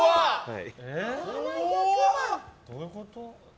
どういうこと？